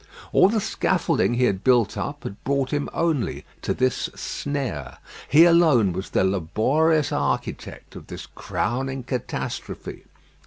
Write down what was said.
All the scaffolding he had built up had brought him only to this snare. He alone was the laborious architect of this crowning catastrophe.